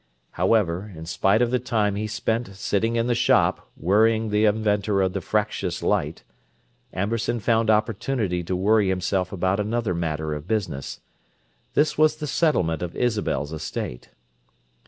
However, in spite of the time he spent sitting in the shop, worrying the inventor of the fractious light, Amberson found opportunity to worry himself about another matter of business. This was the settlement of Isabel's estate.